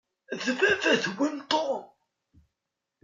D baba-twen Tom.